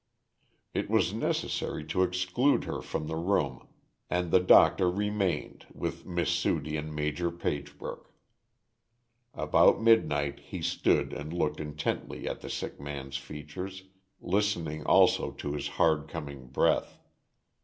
It was necessary to exclude her from the room, and the doctor remained, with Miss Sudie and Maj. Pagebrook. About midnight he stood and looked intently at the sick man's features, listening also to his hard coming breath.